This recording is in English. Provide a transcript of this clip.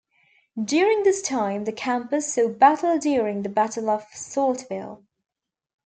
During this time the campus saw battle during the Battle of Saltville.